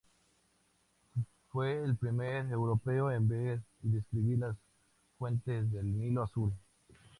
Fue el primer europeo en ver y describir las fuentes del Nilo Azul.